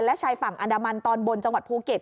และชายฝั่งอันดามันตอนบนจังหวัดภูเก็ต